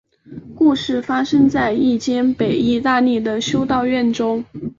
故事发生在一间北意大利的修道院中。